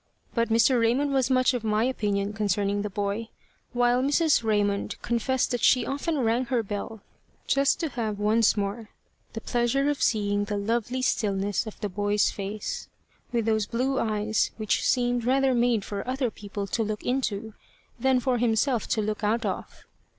But Mr. Raymond was much of my opinion concerning the boy; while Mrs. Raymond confessed that she often rang her bell just to have once more the pleasure of seeing the lovely stillness of the boy's face, with those blue eyes which seemed rather made for other people to look into than for himself to look out of.